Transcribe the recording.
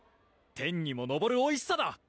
天にものぼるおいしさだ！